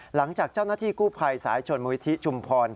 หลังจากเจ้าหน้าที่กู้ภัยสายชนมูลิธิชุมพร